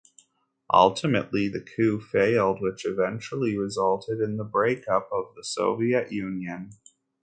Ultimately, the coup failed, which eventually resulted in the breakup of the Soviet Union.